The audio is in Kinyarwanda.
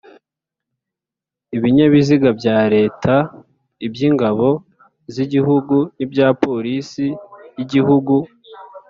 Ibinyabiziga bya Leta, iby'Ingabo z'Igihugu n’ibya Polisi y’Igihugu.